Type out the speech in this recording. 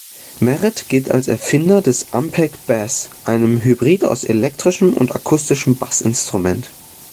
Merritt gilt als Erfinder des "Ampeg-Bass", einem Hybrid aus elektrischem und akustischem Bass-Instrument.